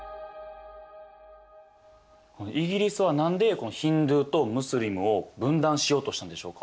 イギリスは何でこのヒンドゥーとムスリムを分断しようとしたんでしょうか？